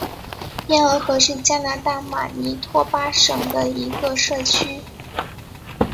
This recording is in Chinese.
天鹅河是加拿大马尼托巴省的一个社区。